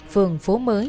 phường phố mới